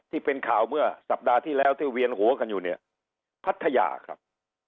ที่เป็นข่าวเมื่อสัปดาห์ที่แล้วที่เวียนหัวกันอยู่เนี่ยพัทยาครับ